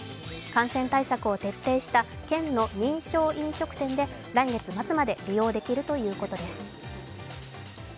感染対策を徹底した県の認証飲食店で来月末まで利用できるということです。